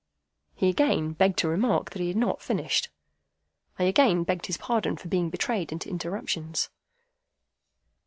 He again begged to remark that he had not finished. I again begged his pardon for being betrayed into interruptions.